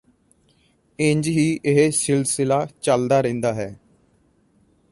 ਇੰਜ ਹੀ ਇਹ ਸਿਲਸਿਲਾ ਚਲਦਾ ਰਹਿੰਦਾ ਹੈ